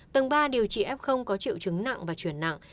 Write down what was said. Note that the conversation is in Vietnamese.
tầng ba điều trị f có triệu chứng nặng và chuyển nặng